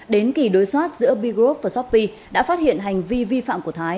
đến kỳ đối soát giữa b group và shopee đã phát hiện hành vi vi phạm của thái